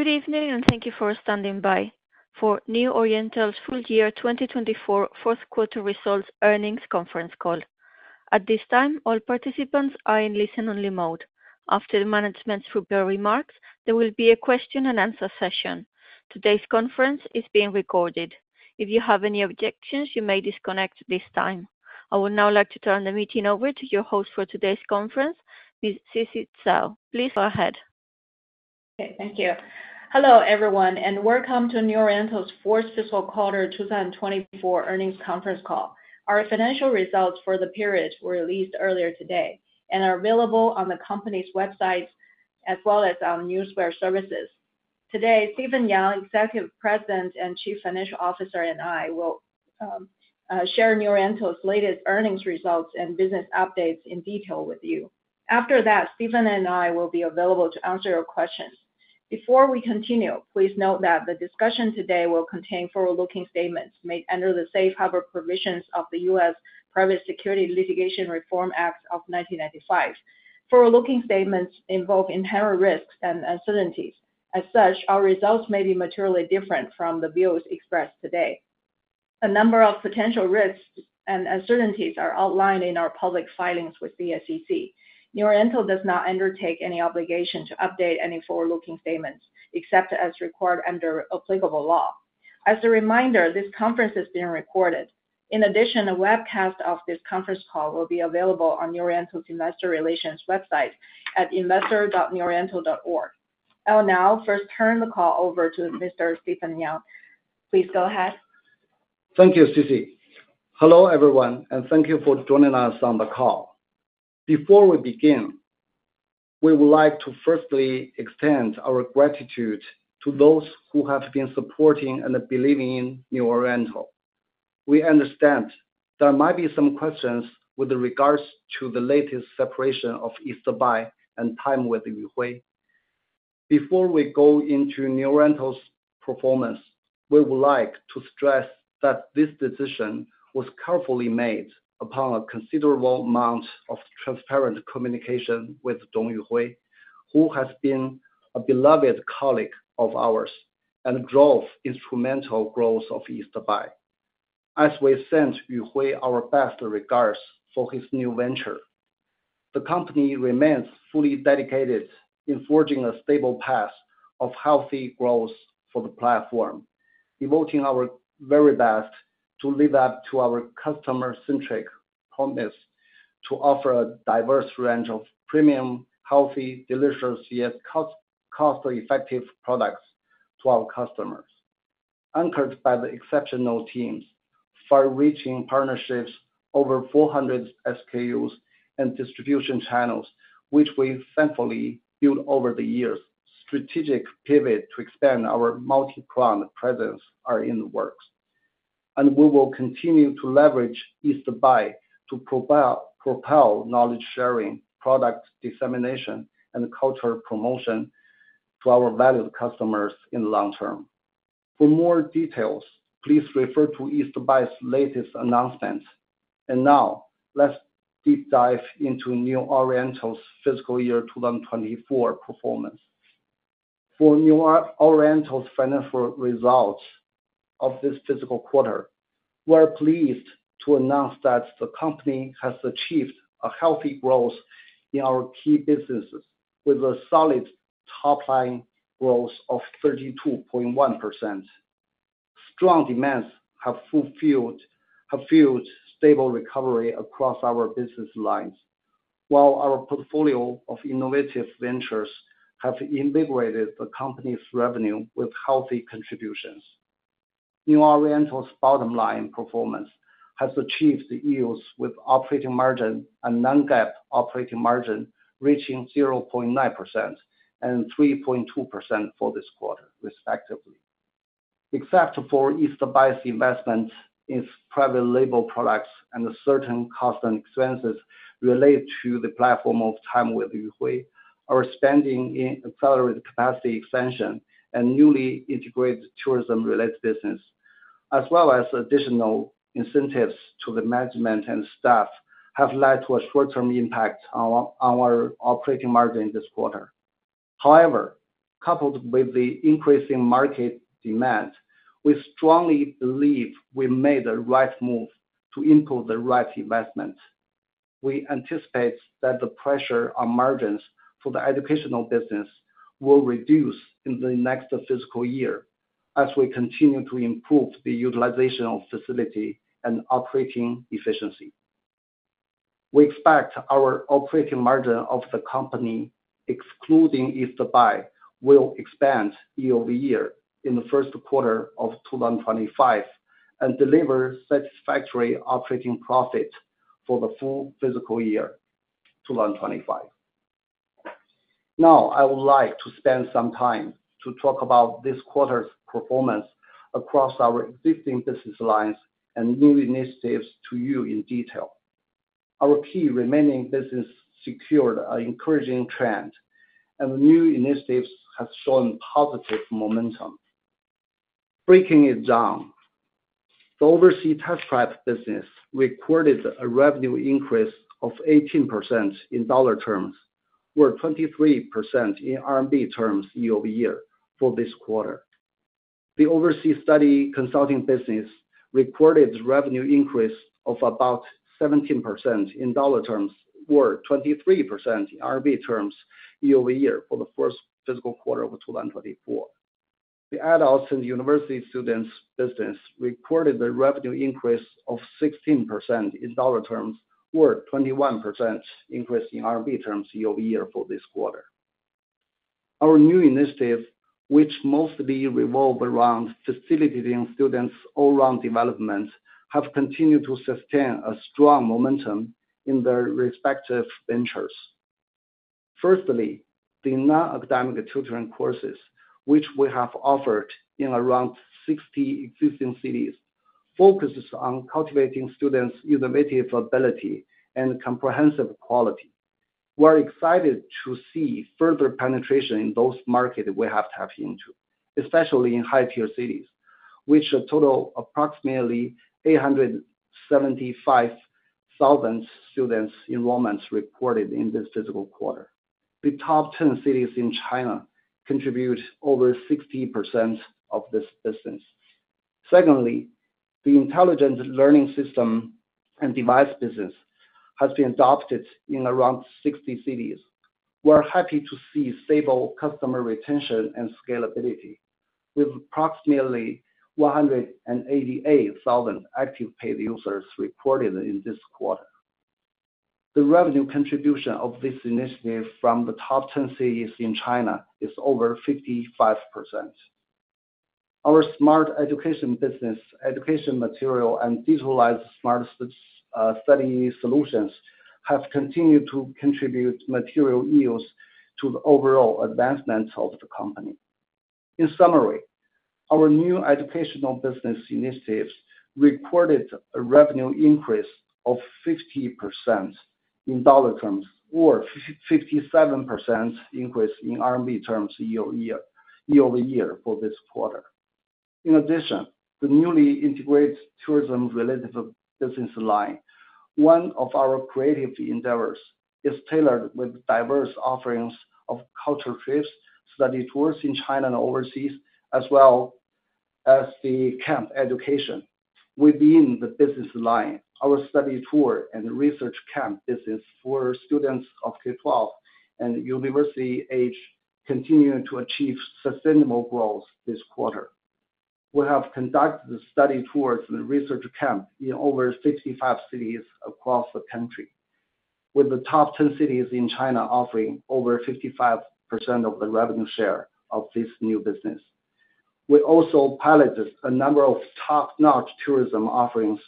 Good evening, and thank you for standing by for New Oriental's Full Year 2024 Fourth Quarter Results Earnings Conference Call. At this time, all participants are in listen-only mode. After the management's prepared remarks, there will be a question and answer session. Today's conference is being recorded. If you have any objections, you may disconnect at this time. I would now like to turn the meeting over to your host for today's conference, Ms. Sisi Zhao. Please go ahead. Okay, thank you. Hello, everyone, and welcome to New Oriental's fourth fiscal quarter 2024 earnings conference call. Our financial results for the period were released earlier today and are available on the company's website, as well as on Newswire Services. Today, Stephen Yang, Executive President and Chief Financial Officer, and I will share New Oriental's latest earnings results and business updates in detail with you. After that, Stephen and I will be available to answer your questions. Before we continue, please note that the discussion today will contain forward-looking statements made under the Safe Harbor Provisions of the U.S. Private Securities Litigation Reform Act of 1995. Forward-looking statements involve inherent risks and uncertainties. As such, our results may be materially different from the views expressed today. A number of potential risks and uncertainties are outlined in our public filings with the SEC. New Oriental does not undertake any obligation to update any forward-looking statements, except as required under applicable law. As a reminder, this conference is being recorded. In addition, a webcast of this conference call will be available on New Oriental's investor relations website at investor.neworiental.org. I'll now first turn the call over to Mr. Stephen Yang. Please go ahead. Thank you, Sisi. Hello, everyone, and thank you for joining us on the call. Before we begin, we would like to firstly extend our gratitude to those who have been supporting and believing in New Oriental. We understand there might be some questions with regards to the latest separation of East Buy and Time with Yuhui. Before we go into New Oriental's performance, we would like to stress that this decision was carefully made upon a considerable amount of transparent communication with Dong Yuhui, who has been a beloved colleague of ours and drove instrumental growth of East Buy. As we send Yuhui our best regards for his new venture, the company remains fully dedicated in forging a stable path of healthy growth for the platform, devoting our very best to live up to our customer-centric promise to offer a diverse range of premium, healthy, delicious, yet cost, cost-effective products to our customers. Anchored by the exceptional teams, far-reaching partnerships, over 400 SKUs and distribution channels, which we've thankfully built over the years, strategic pivot to expand our multi-brand presence are in the works. We will continue to leverage East Buy to propel knowledge sharing, product dissemination, and culture promotion to our valued customers in the long term. For more details, please refer to East Buy's latest announcement. Now, let's deep dive into New Oriental's fiscal year 2024 performance. For New Oriental's financial results of this fiscal quarter, we are pleased to announce that the company has achieved a healthy growth in our key businesses, with a solid top-line growth of 32.1%. Strong demands have fueled stable recovery across our business lines, while our portfolio of innovative ventures have invigorated the company's revenue with healthy contributions. New Oriental's bottom line performance has achieved the yields with operating margin and non-GAAP operating margin, reaching 0.9% and 3.2% for this quarter, respectively. Except for East Buy's investment in private label products and certain costs and expenses related to the platform of Time with Yuhui, our spending in accelerated capacity expansion and newly integrated tourism-related business, as well as additional incentives to the management and staff, have led to a short-term impact on our operating margin this quarter. However, coupled with the increase in market demand, we strongly believe we made the right move to input the right investment. We anticipate that the pressure on margins for the educational business will reduce in the next fiscal year as we continue to improve the utilization of facility and operating efficiency. We expect our operating margin of the company, excluding East Buy, will expand year-over-year in the first quarter of 2025 and deliver satisfactory operating profit for the full fiscal year 2025. Now, I would like to spend some time to talk about this quarter's performance across our existing business lines and new initiatives to you in detail. Our key remaining business secured an encouraging trend, and new initiatives have shown positive momentum. Breaking it down, the overseas test prep business recorded a revenue increase of 18% in dollar terms, or 23% in RMB terms year-over-year for this quarter. The overseas study consulting business recorded revenue increase of about 17% in dollar terms, or 23% in RMB terms year-over-year for the first fiscal quarter of 2024. The adults and university students business recorded a revenue increase of 16% in dollar terms, or 21% increase in RMB terms year-over-year for this quarter. Our new initiative, which mostly revolve around facilitating students' all-around development, have continued to sustain a strong momentum in their respective ventures. Firstly, the non-academic tutoring courses, which we have offered in around 60 existing cities, focuses on cultivating students' innovative ability and comprehensive quality. We're excited to see further penetration in those markets we have tapped into, especially in high-tier cities, which total approximately 875,000 students enrollments recorded in this fiscal quarter. The top 10 cities in China contribute over 60% of this business. Secondly, the intelligent learning system and device business has been adopted in around 60 cities. We're happy to see stable customer retention and scalability, with approximately 188,000 active paid users recorded in this quarter. The revenue contribution of this initiative from the top 10 cities in China is over 55%. Our smart education business, education material, and digitalized smart study solutions, have continued to contribute material yields to the overall advancement of the company. In summary, our new educational business initiatives recorded a revenue increase of 50% in dollar terms, or 57% increase in RMB terms year-over-year for this quarter. In addition, the newly integrated tourism-related business line, one of our creative endeavors, is tailored with diverse offerings of cultural trips, study tours in China and overseas, as well as the camp education. Within the business line, our study tour and research camp business for students of K-12 and university age continued to achieve sustainable growth this quarter. We have conducted the study tours and research camp in over 65 cities across the country, with the top 10 cities in China offering over 55% of the revenue share of this new business. We also piloted a number of top-notch tourism offerings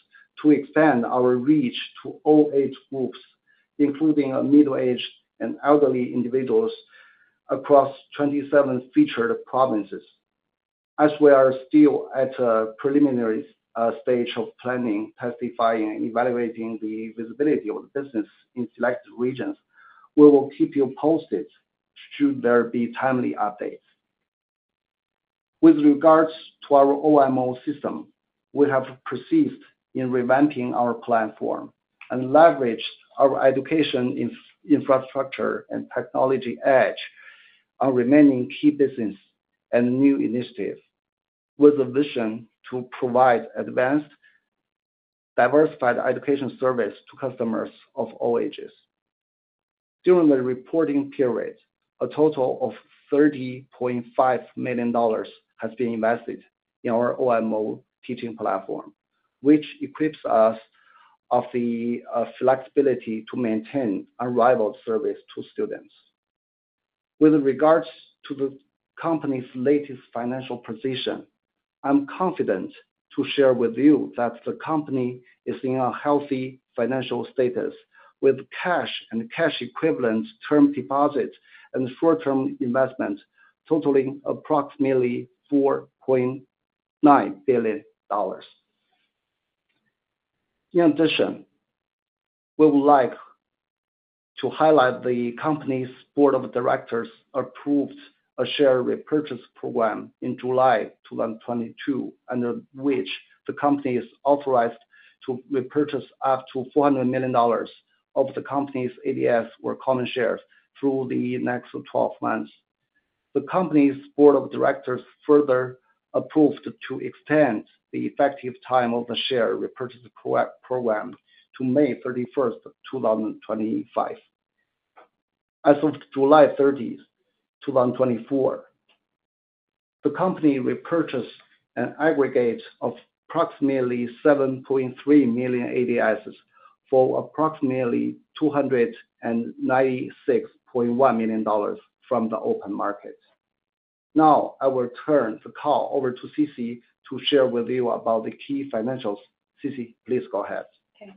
to expand our reach to all age groups, including middle-aged and elderly individuals across 27 featured provinces. As we are still at a preliminary stage of planning, testifying, and evaluating the visibility of the business in select regions, we will keep you posted should there be timely updates. With regards to our OMO system, we have persisted in revamping our platform and leveraged our education infrastructure and technology edge, our remaining key business and new initiatives, with a vision to provide advanced, diversified education service to customers of all ages. During the reporting period, a total of $30.5 million has been invested in our OMO teaching platform, which equips us of the flexibility to maintain unrivaled service to students. With regards to the company's latest financial position, I'm confident to share with you that the company is in a healthy financial status, with cash and cash equivalents, term deposits, and short-term investments totaling approximately $4.9 billion. In addition, we would like to highlight the company's board of directors approved a share repurchase program in July 2022, under which the company is authorized to repurchase up to $400 million of the company's ADSs or common shares through the next twelve months. The company's board of directors further approved to extend the effective time of the share repurchase program to May 31, 2025. As of July 30, 2024, the company repurchased an aggregate of approximately 7.3 million ADSs for approximately $296.1 million from the open market. Now, I will turn the call over to Sisi to share with you about the key financials. Sisi, please go ahead. Okay.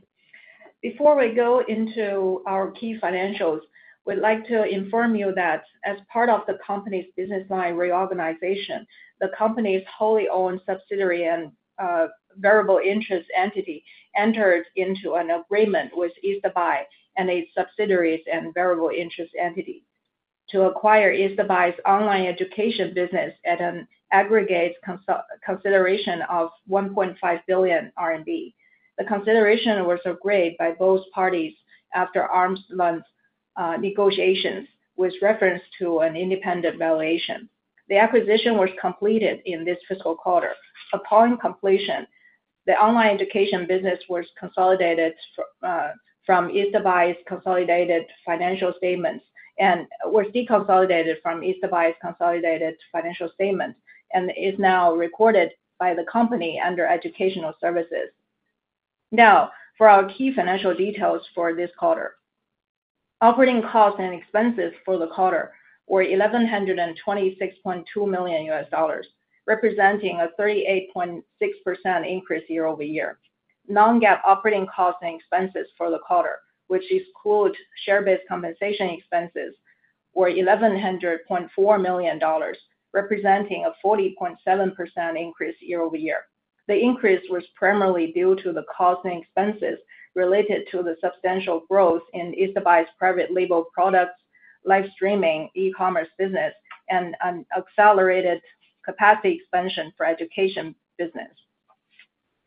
Before we go into our key financials, we'd like to inform you that as part of the company's business line reorganization, the company's wholly owned subsidiary and variable interest entity entered into an agreement with East Buy and its subsidiaries and variable interest entity to acquire East Buy's online education business at an aggregate consideration of 1.5 billion RMB. The consideration was agreed by both parties after arm's length negotiations, with reference to an independent valuation. The acquisition was completed in this fiscal quarter. Upon completion, the online education business was consolidated from East Buy's consolidated financial statements and was deconsolidated from East Buy's consolidated financial statements, and is now recorded by the company under educational services. Now, for our key financial details for this quarter. Operating costs and expenses for the quarter were $1,126.2 million, representing a 38.6% increase year-over-year. Non-GAAP operating costs and expenses for the quarter, which excludes share-based compensation expenses, were $1,100.4 million, representing a 40.7% increase year-over-year. The increase was primarily due to the costs and expenses related to the substantial growth in East Buy's private label products, live streaming, e-commerce business, and an accelerated capacity expansion for education business.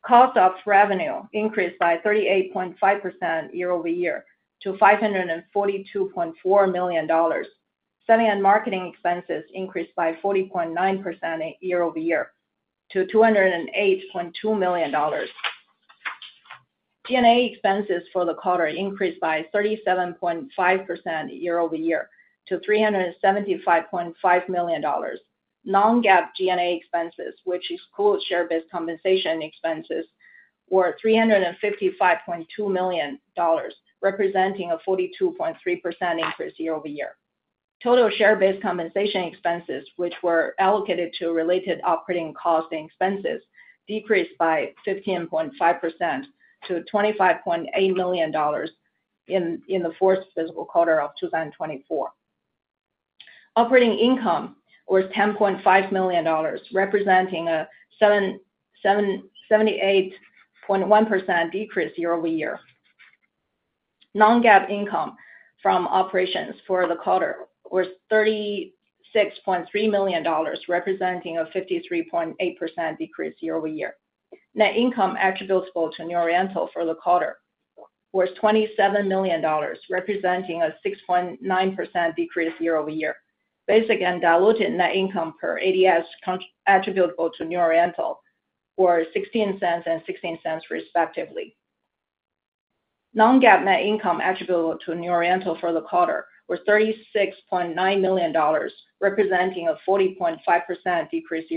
Cost of revenue increased by 38.5% year-over-year to $542.4 million. Selling and marketing expenses increased by 40.9% year-over-year to $208.2 million. G&A expenses for the quarter increased by 37.5% year-over-year to $375.5 million. Non-GAAP G&A expenses, which excludes share-based compensation expenses, were $355.2 million, representing a 42.3% increase year-over-year. Total share-based compensation expenses, which were allocated to related operating costs and expenses, decreased by 15.5% to $25.8 million in the fourth fiscal quarter of 2024. Operating income was $10.5 million, representing a 78.1% decrease year-over-year. Non-GAAP income from operations for the quarter was $36.3 million, representing a 53.8% decrease year-over-year. Net income attributable to New Oriental for the quarter was $27 million, representing a 6.9% decrease year-over-year. Basic and diluted net income per ADS attributable to New Oriental were $0.16 and $0.16, respectively. Non-GAAP net income attributable to New Oriental for the quarter was $36.9 million, representing a 40.5% decrease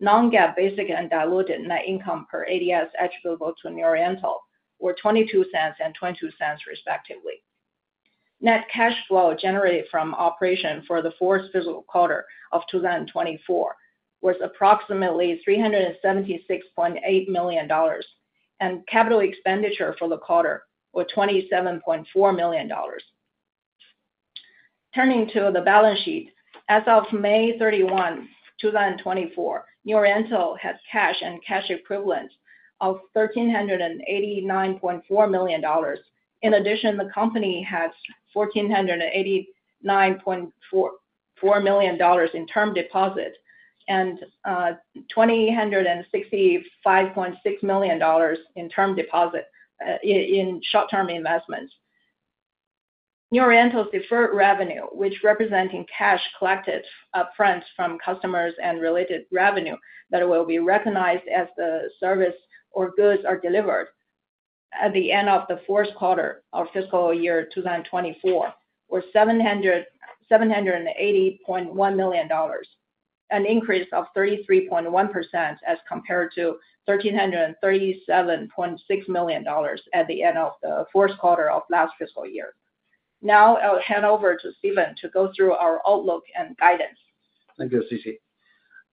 year-over-year. Non-GAAP basic and diluted net income per ADS attributable to New Oriental were $0.22 and $0.22, respectively. Net cash flow generated from operations for the fourth fiscal quarter of 2024 was approximately $376.8 million, and capital expenditure for the quarter was $27.4 million. Turning to the balance sheet. As of May 31, 2024, New Oriental has cash and cash equivalents of $1,389.4 million. In addition, the company has 1,489.44 million dollars in term deposits and 2,065.6 million dollars and in short-term investments. New Oriental's deferred revenue, which representing cash collected upfront from customers and related revenue that will be recognized as the service or goods are delivered at the end of the fourth quarter of fiscal year 2024, were $780.1 million, an increase of 33.1% as compared to $1,337.6 million at the end of the fourth quarter of last fiscal year. Now, I'll hand over to Stephen to go through our outlook and guidance. Thank you, Sisi.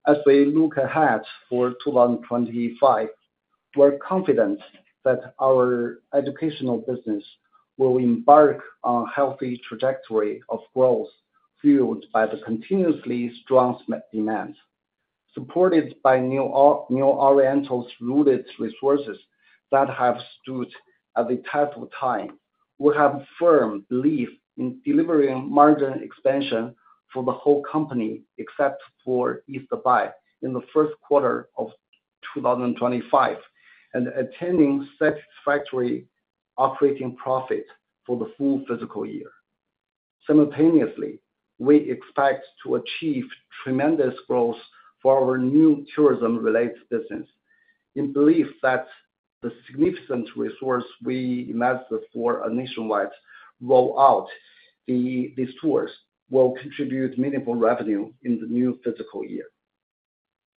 As we look ahead for 2025, we're confident that our educational business will embark on a healthy trajectory of growth, fueled by the continuously strong demand. Supported by New Oriental's rooted resources that have stood the test of time, we have firm belief in delivering margin expansion for the whole company, except for East Buy, in the first quarter of 2025, and attaining satisfactory operating profit for the full fiscal year. Simultaneously, we expect to achieve tremendous growth for our new tourism-related business. In the belief that the significant resources we invested for a nationwide rollout, these tours will contribute meaningful revenue in the new fiscal year.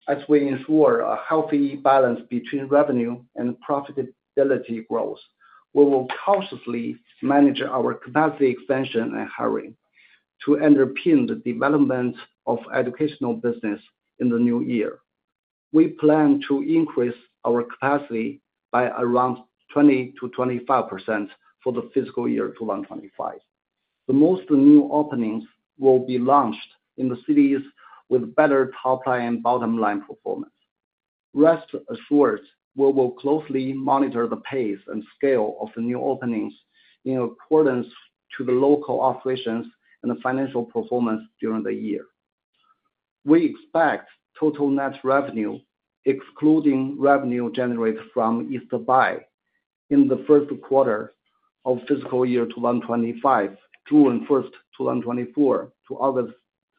As we ensure a healthy balance between revenue and profitability growth, we will cautiously manage our capacity expansion and hiring to underpin the development of educational business in the new year. We plan to increase our capacity by around 20%-25% for the fiscal year 2025. The most new openings will be launched in the cities with better top line and bottom line performance. Rest assured, we will closely monitor the pace and scale of the new openings in accordance to the local operations and the financial performance during the year. We expect total net revenue, excluding revenue generated from East Buy, in the first quarter of fiscal year 2025, June 1, 2024 to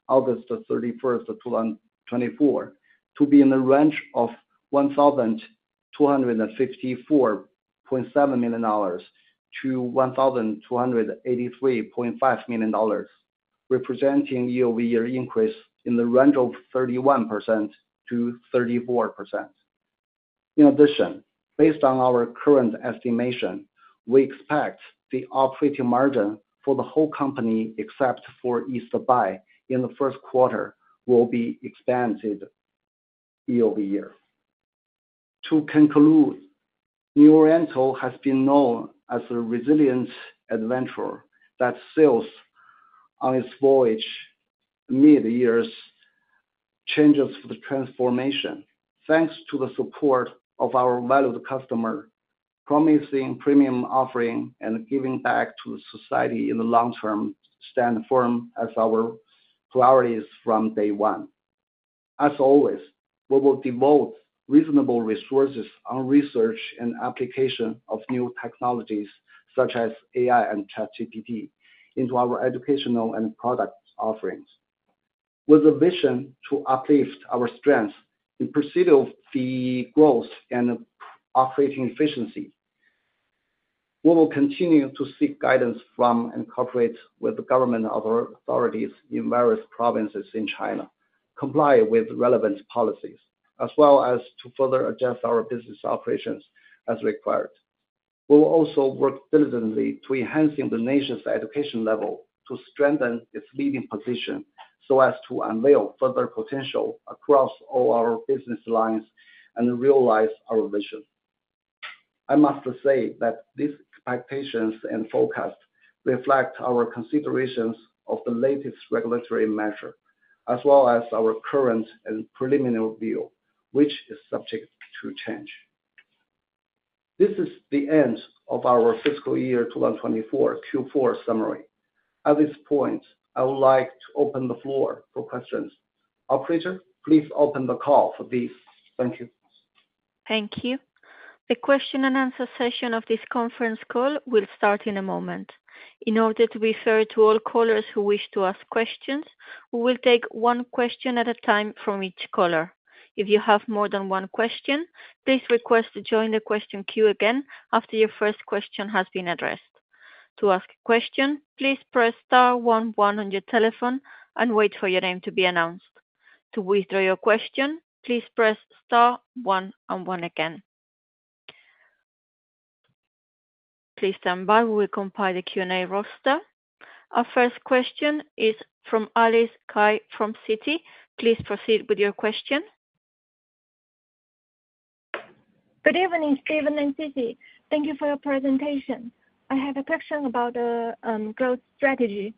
August 31, 2024, to be in the range of $1,254.7 million-$1,283.5 million, representing year-over-year increase in the range of 31%-34%. In addition, based on our current estimation, we expect the operating margin for the whole company, except for East Buy, in the first quarter will be expanded year-over-year. To conclude, New Oriental has been known as a resilient adventurer that sails on its voyage amid years changes for the transformation. Thanks to the support of our valued customer, promising premium offering and giving back to society in the long term stand firm as our priorities from day one. As always, we will devote reasonable resources on research and application of new technologies such as AI and ChatGPT into our educational and product offerings. With a vision to uplift our strength in pursuit of the growth and operating efficiency, we will continue to seek guidance from, and cooperate with the government authorities in various provinces in China, comply with relevant policies, as well as to further adjust our business operations as required. We will also work diligently to enhancing the nation's education level, to strengthen its leading position, so as to unveil further potential across all our business lines and realize our vision. I must say that these expectations and forecasts reflect our considerations of the latest regulatory measure, as well as our current and preliminary view, which is subject to change. This is the end of our fiscal year 2024 Q4 summary. At this point, I would like to open the floor for questions. Operator, please open the call for this. Thank you. Thank you. The question and answer session of this conference call will start in a moment. In order to be fair to all callers who wish to ask questions, we will take one question at a time from each caller. If you have more than one question, please request to join the question queue again after your first question has been addressed. To ask a question, please press star one one on your telephone and wait for your name to be announced. To withdraw your question, please press star one and one again. Please stand by, we will compile the Q&A roster. Our first question is from Alice Cai from Citi. Please proceed with your question. Good evening, Stephen and Sisi. Thank you for your presentation. I have a question about growth strategy.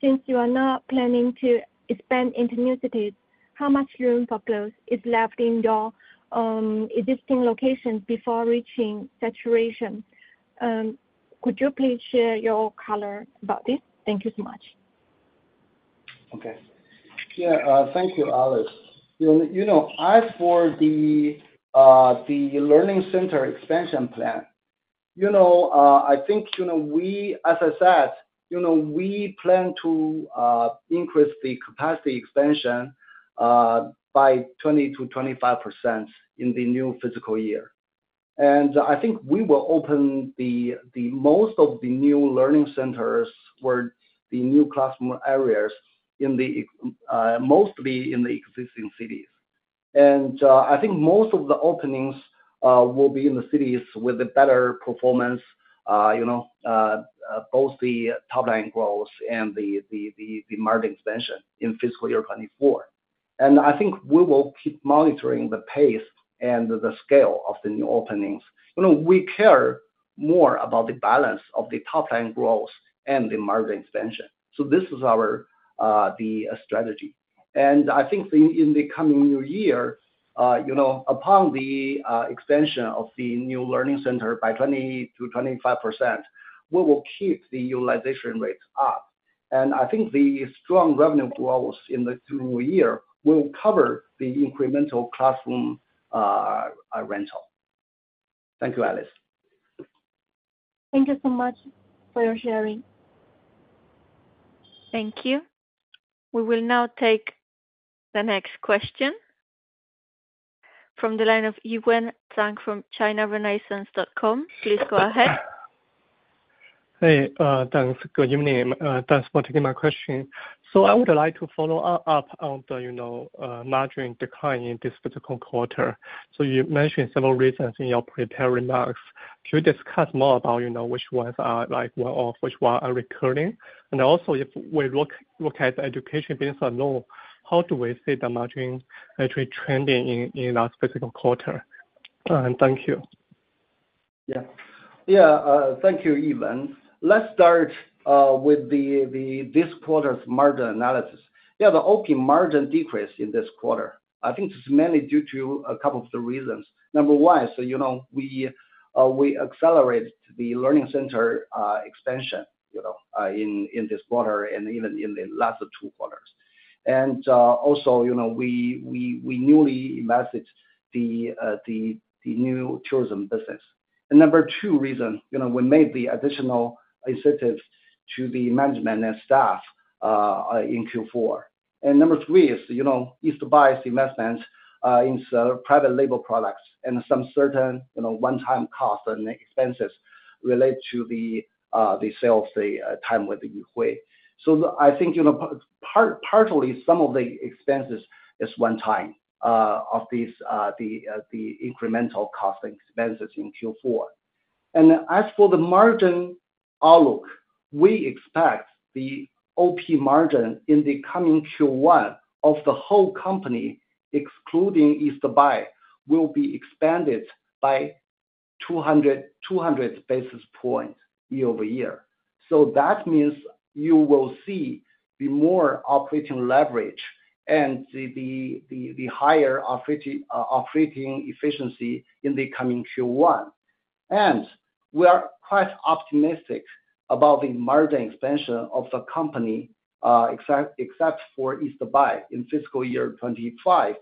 Since you are not planning to expand into new cities, how much room for growth is left in your existing locations before reaching saturation? Could you please share your color about this? Thank you so much. Okay. Yeah, thank you, Alice. You know, as for the, the learning center expansion plan, you know, I think, you know, we, as I said, you know, we plan to, increase the capacity expansion, by 20%-25% in the new fiscal year. And I think we will open the, the most of the new learning centers, where the new classroom areas in the, mostly in the existing cities. And, I think most of the openings, will be in the cities with a better performance, you know, both the top-line growth and the, the, the, the market expansion in fiscal year 2024. And I think we will keep monitoring the pace and the scale of the new openings. You know, we care more about the balance of the top-line growth and the market expansion. This is our strategy. I think in the coming new year, you know, upon the expansion of the new learning center by 20%-25%, we will keep the utilization rates up. I think the strong revenue growth in the current year will cover the incremental classroom rental. Thank you, Alice. Thank you so much for your sharing. Thank you. We will now take the next question from the line of Yiwen Zhang from China Renaissance. Please go ahead. Hey, thanks. Good evening. Thanks for taking my question. So I would like to follow up on the, you know, margin decline in this fiscal quarter. So you mentioned several reasons in your prepared remarks. Can you discuss more about, you know, which ones are like, well, or which one are recurring? And also, if we look at the education business alone, how do we see the margin actually trending in our fiscal quarter? Thank you. Yeah, thank you, Yiwen. Let's start with the this quarter's margin analysis. Yeah, the OP margin decreased in this quarter. I think this is mainly due to a couple of the reasons. Number 1, so, you know, we accelerated the learning center expansion, you know, in this quarter and even in the last two quarters. And also, you know, we newly invested the new tourism business. The number two reason, you know, we made the additional incentives to the management and staff in Q4. And number three is, you know, East Buy investments in some private label products and some certain, you know, one-time costs and expenses related to the sales, the Time with Yuhui. So I think, you know, partially, some of the expenses is one time of the incremental cost expenses in Q4. And as for the margin outlook, we expect the OP margin in the coming Q1 of the whole company, excluding East Buy, will be expanded by 200 basis points year-over-year. So that means you will see more operating leverage and the higher operating efficiency in the coming Q1. And we are quite optimistic about the margin expansion of the company, except for East Buy. In fiscal year 2025,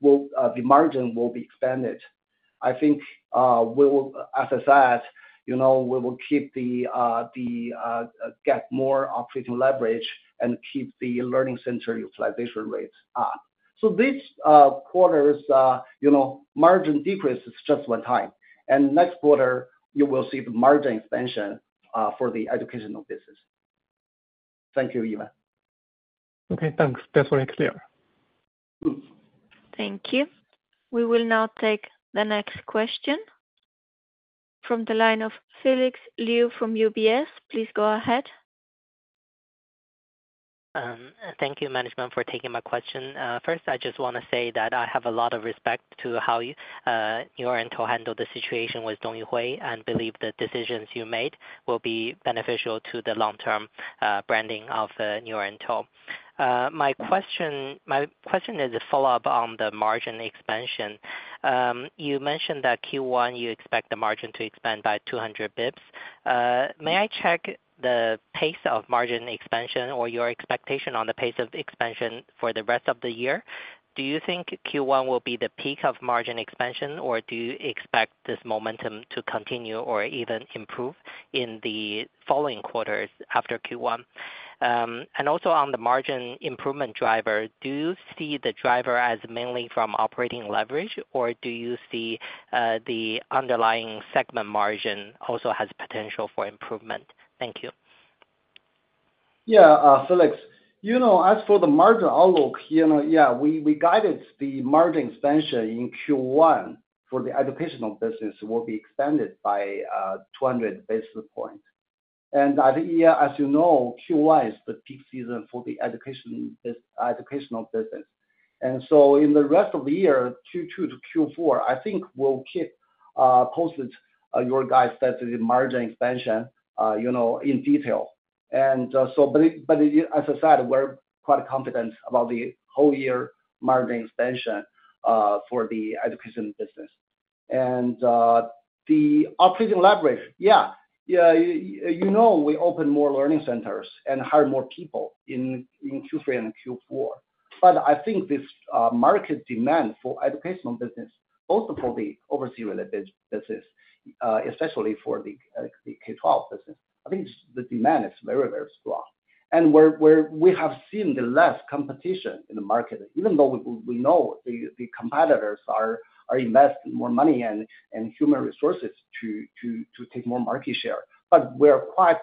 the margin will be expanded. I think, we will, as I said, you know, we will keep getting more operating leverage and keep the learning center utilization rates up. This quarter's, you know, margin decrease is just one time, and next quarter you will see the margin expansion for the educational business. Thank you, Yiwen. Okay, thanks. That's very clear. Mm-hmm. Thank you. We will now take the next question from the line of Felix Liu from UBS. Please go ahead. Thank you, management, for taking my question. First, I just want to say that I have a lot of respect to how you, New Oriental handled the situation with Dong Yuhui, and believe the decisions you made will be beneficial to the long-term branding of New Oriental. My question is a follow-up on the margin expansion. You mentioned that Q1, you expect the margin to expand by 200 basis points. May I check the pace of margin expansion or your expectation on the pace of expansion for the rest of the year? Do you think Q1 will be the peak of margin expansion, or do you expect this momentum to continue or even improve in the following quarters after Q1? And also on the margin improvement driver, do you see the driver as mainly from operating leverage, or do you see the underlying segment margin also has potential for improvement? Thank you. Yeah, Felix, you know, as for the margin outlook, you know, yeah, we, we guided the margin expansion in Q1 for the educational business will be expanded by 200 basis points. And I think, yeah, as you know, Q1 is the peak season for the educational business. And so in the rest of the year, Q2 to Q4, I think we'll keep posted, your guys set to the margin expansion, you know, in detail. And, so but, but as I said, we're quite confident about the whole year margin expansion, for the education business. And, the operating leverage. Yeah, you know, we opened more learning centers and hired more people in Q3 and Q4. But I think this, market demand for educational business, also for the overseas related business, especially for the, the K-12 business, I think the demand is very, very strong. And we have seen the less competition in the market, even though we know the, the competitors are investing more money and human resources to take more market share. But we're quite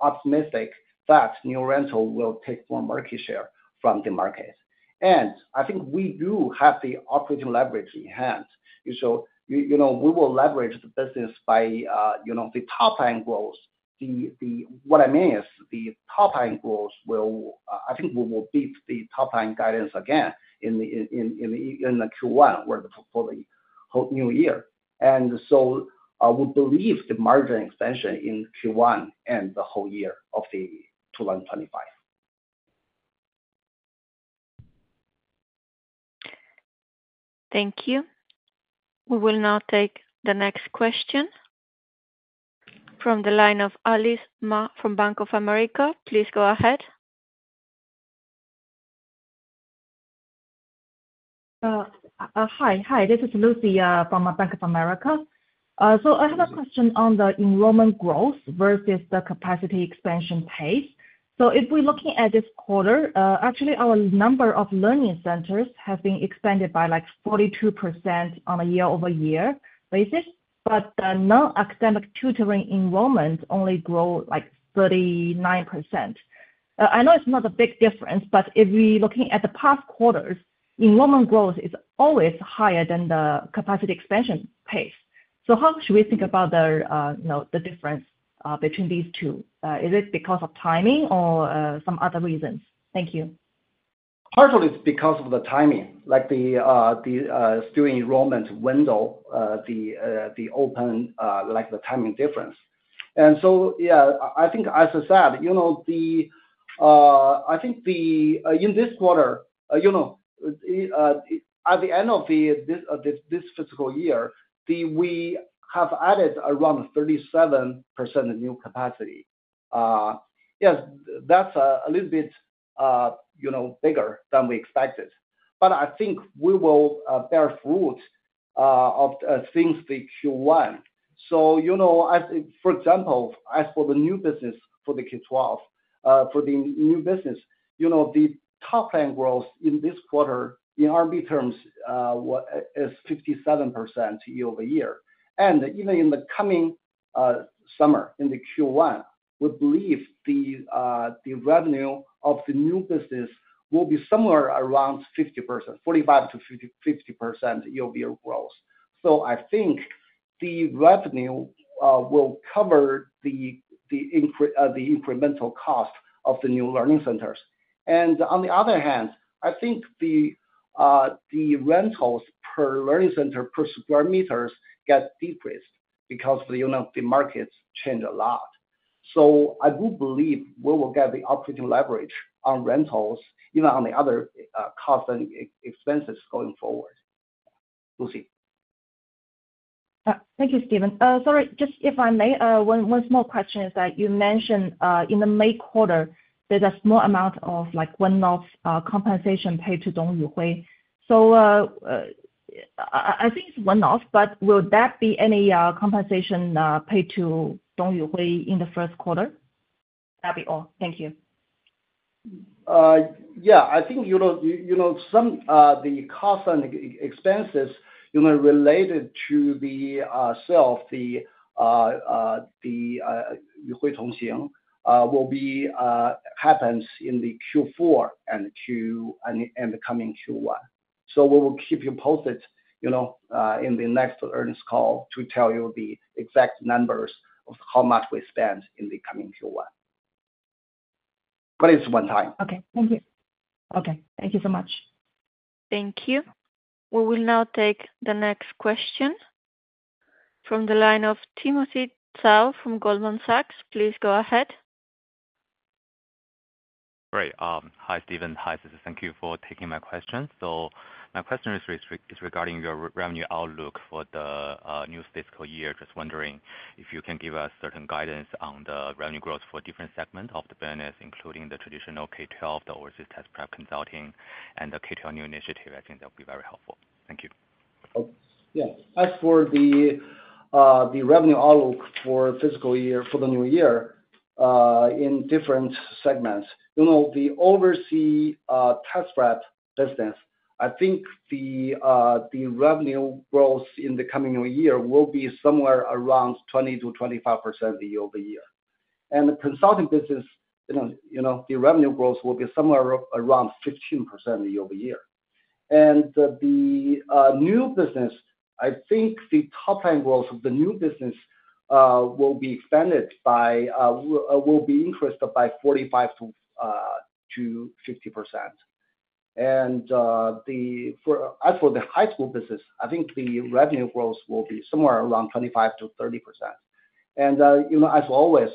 optimistic that New Oriental will take more market share from the market. And I think we do have the operating leverage in hand. So you know, we will leverage the business by, you know, the top line growth. The, what I mean is the top line growth will, I think we will beat the top line guidance again in the Q1 for the whole new year. And so I would believe the margin expansion in Q1 and the whole year of 2025. Thank you. We will now take the next question from the line of Lucy Yu from Bank of America. Please go ahead. Hi, this is Lucy from Bank of America. So I have a question on the enrollment growth versus the capacity expansion pace. So if we're looking at this quarter, actually, our number of learning centers have been expanded by, like, 42% on a year-over-year basis, but the non-academic tutoring enrollments only grow, like, 39%. I know it's not a big difference, but if we looking at the past quarters, enrollment growth is always higher than the capacity expansion pace. So how should we think about the, you know, the difference between these two? Is it because of timing or some other reasons? Thank you. Partially it's because of the timing, like the student enrollment window, the open, like the timing difference. And so, yeah, I think as I said, you know, I think in this quarter, you know, at the end of this fiscal year, we have added around 37% of new capacity. Yes, that's a little bit, you know, bigger than we expected. But I think we will bear fruit of since the Q1. So, you know, for example, as for the new business for the K-12, for the new business, you know, the top line growth in this quarter, in RMB terms, is 57% year-over-year. Even in the coming summer, in the Q1, we believe the revenue of the new business will be somewhere around 50%, 45%-50%, 50% year-over-year growth. So I think the revenue will cover the incremental cost of the new learning centers. And on the other hand, I think the rentals per learning center per square meters get decreased because, you know, the markets change a lot. So I do believe we will get the operating leverage on rentals, even on the other cost and expenses going forward. We'll see. Thank you, Stephen. Sorry, just if I may, one small question is that you mentioned in the May quarter, there's a small amount of, like, one-off compensation paid to Dong Yuhui. I think it's one-off, but will that be any compensation paid to Dong Yuhui in the first quarter? That'll be all. Thank you. Yeah, I think, you know, you know, the cost and expenses, you know, related to the sale of the Yuhui Tongxing will be happens in the Q4 and the coming Q1. So we will keep you posted, you know, in the next earnings call to tell you the exact numbers of how much we spent in the coming Q1. But it's one time. Okay, thank you. Okay, thank you so much. Thank you. We will now take the next question from the line of Timothy Zhao from Goldman Sachs. Please go ahead. Great. Hi, Stephen. Hi, Sisi. Thank you for taking my question. My question is regarding your revenue outlook for the new fiscal year. Just wondering if you can give us certain guidance on the revenue growth for different segments of the business, including the traditional K-12, the overseas test prep consulting, and the K-12 new initiative? I think that would be very helpful. Thank you. Oh, yeah. As for the revenue outlook for fiscal year, for the new year, in different segments, you know, the overseas test prep business, I think the revenue growth in the coming new year will be somewhere around 20%-25% year-over-year. And the consulting business, you know, you know, the revenue growth will be somewhere around 15% year-over-year. And the new business, I think the top line growth of the new business will be increased by 45%-50%. And, as for the high school business, I think the revenue growth will be somewhere around 25%-30%. And, you know, as always,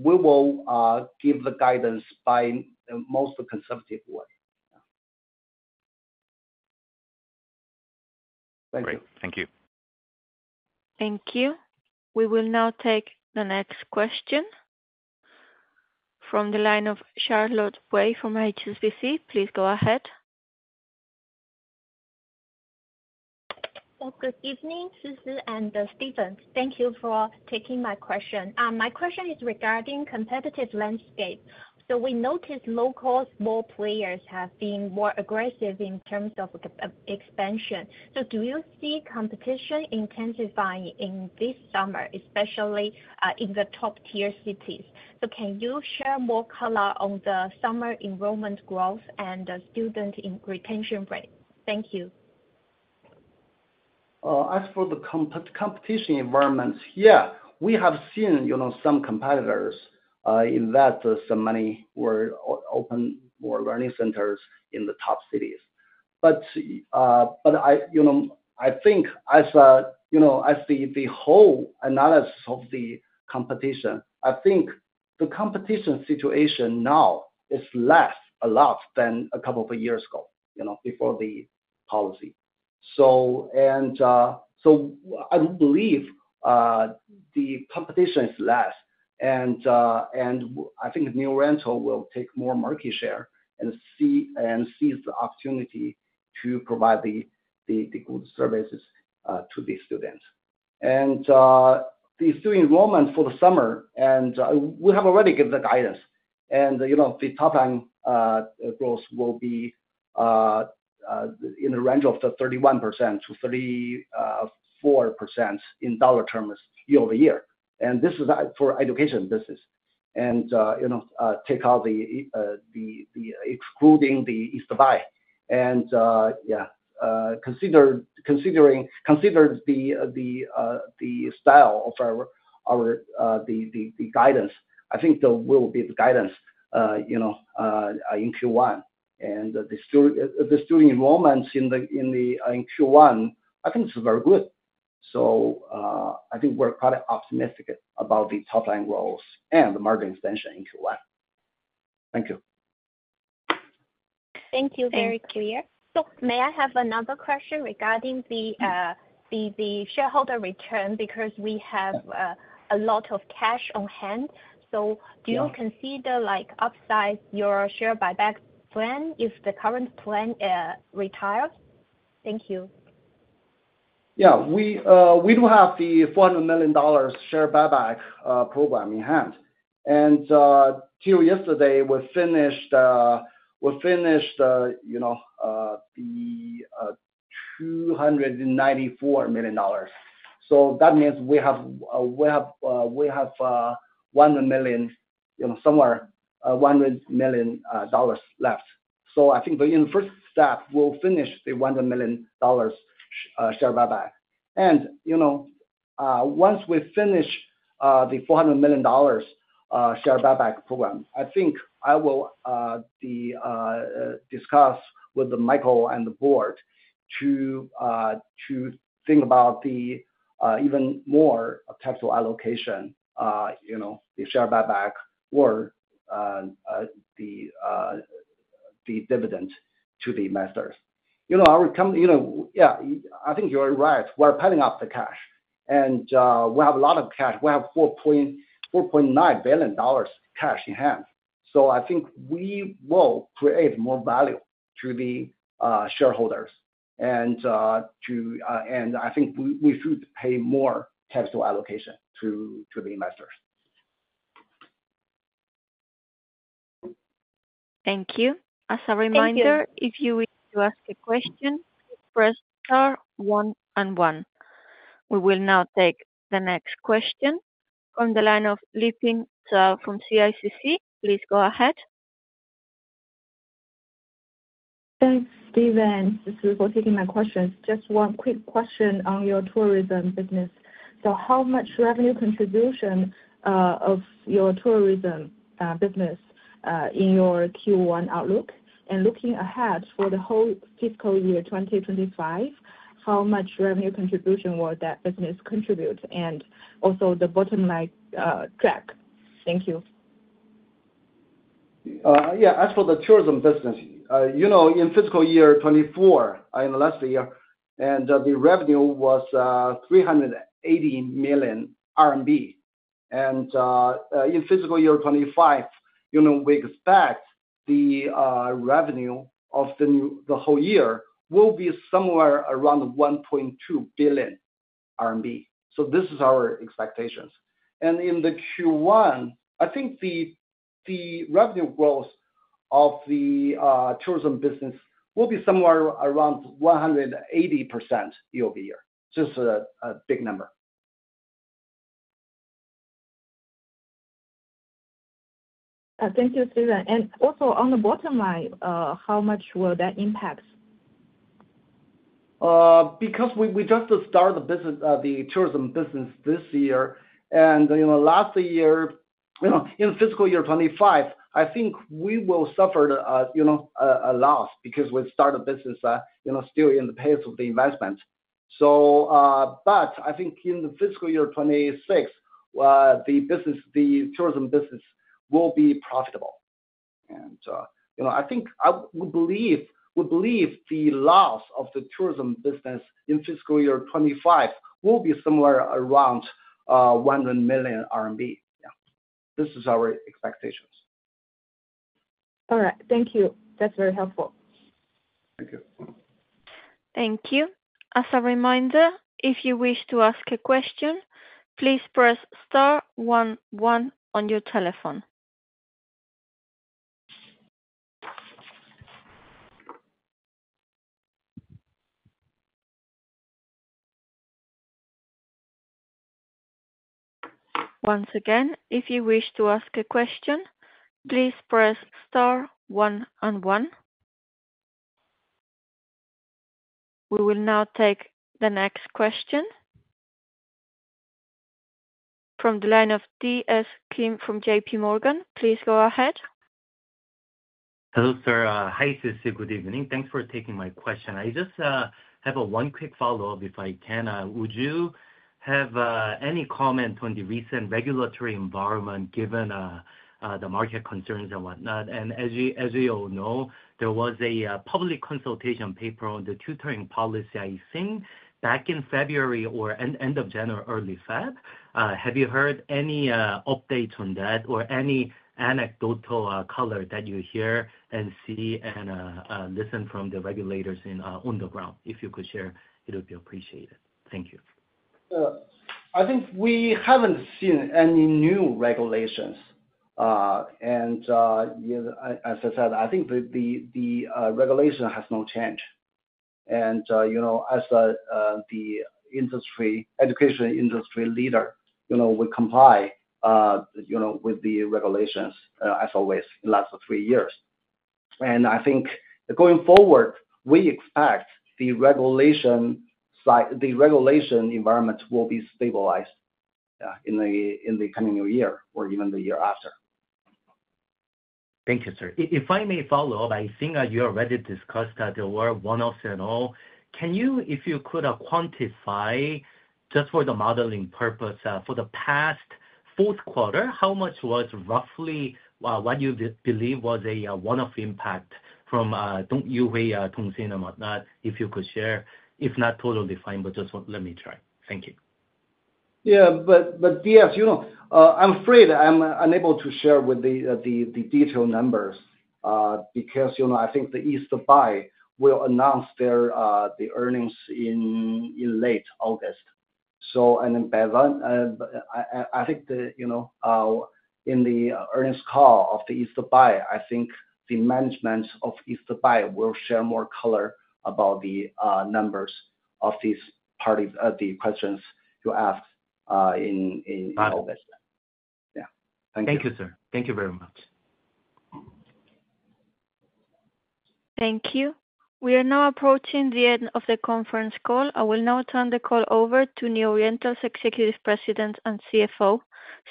we will give the guidance by the most conservative way. Thank you. Great. Thank you. Thank you. We will now take the next question from the line of Charlotte Wei from HSBC. Please go ahead. Well, good evening, Sisi and Stephen. Thank you for taking my question. My question is regarding competitive landscape. We noticed low-cost, more players have been more aggressive in terms of the expansion. Do you see competition intensifying this summer, especially in the top-tier cities? Can you share more color on the summer enrollment growth and the student retention rate? Thank you. As for the competition environment, yeah, we have seen, you know, some competitors invest some money or open more learning centers in the top cities. But, but I, you know, I think as, you know, as the whole analysis of the competition, I think the competition situation now is less a lot than a couple of years ago, you know, before the policy. So and, so I believe the competition is less, and, and I think New Oriental will take more market share and seize the opportunity to provide the good services to the students. And the student enrollment for the summer, and we have already given the guidance. You know, the top line growth will be in the range of 31% to 34% in dollar terms year-over-year, and this is for education business. You know, excluding the East Buy. Yeah, considering the style of our guidance. I think there will be the guidance, you know, in Q1. And the student enrollments in Q1, I think it's very good. So, I think we're quite optimistic about the top line growth and the margin expansion in Q1. Thank you. Thank you. Very clear. May I have another question regarding the shareholder return? Because we have a lot of cash on hand. Yeah. Do you consider, like, upsize your share buyback plan if the current plan retires? Thank you. Yeah. We do have the $400 million share buyback program in hand. And till yesterday, we finished, we finished, you know, the $294 million. So that means we have, we have, we have, one hundred million, you know, somewhere, one hundred million dollars left. So I think in the first step, we'll finish the $100 million share buyback. And, you know, once we finish the $400 million share buyback program, I think I will, the, discuss with Michael and the board to, to think about the even more capital allocation, you know, the share buyback or, the, the dividend to the investors. You know, our company. You know, yeah, I think you're right. We're piling up the cash, and we have a lot of cash. We have $4.49 billion cash in hand. So I think we will create more value to the shareholders. And I think we should pay more capital allocation to the investors. Thank you. Thank you. As a reminder, if you wish to ask a question, press star one and one. We will now take the next question from the line of Liping Zhao from CICC. Please go ahead. Thanks, Stephen, for taking my questions. Just one quick question on your tourism business. So how much revenue contribution of your tourism business in your Q1 outlook? And looking ahead for the whole fiscal year 2025, how much revenue contribution will that business contribute? And also the bottom line track. Thank you. Yeah, as for the tourism business, you know, in fiscal year 2024, in the last year, and the revenue was three hundred and eighty million RMB. And in fiscal year 2025, you know, we expect the revenue of the new, the whole year will be somewhere around 1.2 billion RMB. So this is our expectations. And in the Q1, I think the revenue growth of the tourism business will be somewhere around 180% year-over-year. Just a big number. Thank you, Stephen. Also on the bottom line, how much will that impact? Because we, we just started the business, the tourism business this year, and, you know, last year, you know, in fiscal year 2025, I think we will suffer the, you know, a loss because we start a business, still in the pace of the investment. So, but I think in the fiscal year 2026, the business, the tourism business will be profitable. And, you know, I think, I we believe, we believe the loss of the tourism business in fiscal year 2025 will be somewhere around 100 million RMB. Yeah. This is our expectations. All right. Thank you. That's very helpful. Thank you. Thank you. As a reminder, if you wish to ask a question, please press star one one on your telephone. Once again, if you wish to ask a question, please press star one and one. We will now take the next question. From the line of DS Kim from JPMorgan. Please go ahead. Hello, sir. Hi, this is Sue. Good evening. Thanks for taking my question. I just have a quick follow-up, if I can. Would you have any comment on the recent regulatory environment, given the market concerns and whatnot? And as you all know, there was a public consultation paper on the tutoring policy, I think, back in February or end of January, early February. Have you heard any updates on that or any anecdotal color that you hear and see and listen from the regulators in on the ground? If you could share, it would be appreciated. Thank you. I think we haven't seen any new regulations. You know, as I said, I think the regulation has not changed. You know, as the education industry leader, you know, we comply, you know, with the regulations as always, last for three years. I think going forward, we expect the regulation environment will be stabilized in the coming new year or even the year after. Thank you, sir. If I may follow up, I think that you already discussed that there were one-offs and all. Can you, if you could, quantify just for the modeling purpose, for the past fourth quarter, how much was roughly, what you believe was a, one-off impact from, Dong Yuhui Tongxing, and what not, if you could share? If not, totally fine, but just let me try. Thank you. Yeah, but yes, you know, I'm afraid I'm unable to share with the detailed numbers, because, you know, I think the East Buy will announce their earnings in late August. So, and then by then, I think you know, in the earnings call of the East Buy, I think the management of East Buy will share more color about the numbers of these parties, the questions you asked, in August. Yeah. Thank you, sir. Thank you very much. Thank you. We are now approaching the end of the conference call. I will now turn the call over to New Oriental's Executive President and CFO,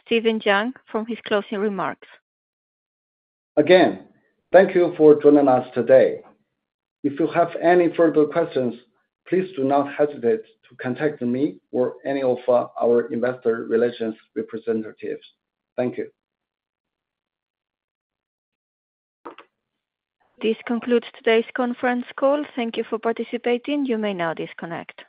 Stephen Yang, for his closing remarks. Again, thank you for joining us today. If you have any further questions, please do not hesitate to contact me or any of our investor relations representatives. Thank you. This concludes today's conference call. Thank you for participating. You may now disconnect.